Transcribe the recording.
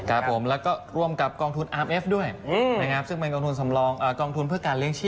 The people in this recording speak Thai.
ครับผมแล้วก็ร่วมกับกองทุนอาร์มเอฟด้วยนะครับซึ่งเป็นกองทุนสำรองกองทุนเพื่อการเลี้ยชีพ